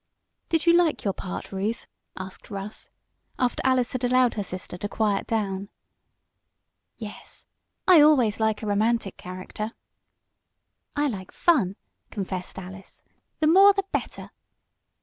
"Did you like your part, Ruth?" asked Russ, after Alice had allowed her sister to quiet down. "Yes. I always like a romantic character." "I like fun!" confessed Alice. "The more the better!"